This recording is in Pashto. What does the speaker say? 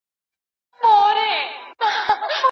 بې ګناه د انتقام په اور کي سوځي